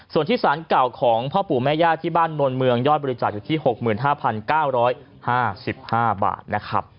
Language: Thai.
ส่วนที่สารเก่าของพ่อปู่แม่ย่าที่บ้านนวลเมืองยอดบริจาคอยู่ที่๖๕๙๕๕บาทนะครับ